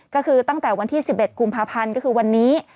ก็คือตั้งแต่วันที่๑๑กุมภาพันธ์ก็คือวันนี้